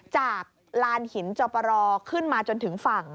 จากลานหินจอปรขึ้นมาจนถึงฝั่ง